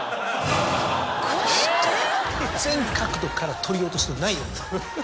全角度から撮り落としのないように。